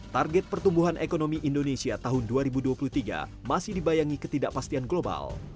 target pertumbuhan ekonomi indonesia tahun dua ribu dua puluh tiga masih dibayangi ketidakpastian global